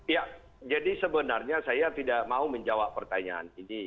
ya jadi sebenarnya saya tidak mau menjawab pertanyaan ini